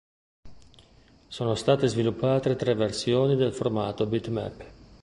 Sono state sviluppate tre versioni del formato bitmap.